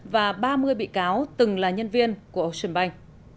và ba mươi bị cáo từng là nhân viên của ocean bank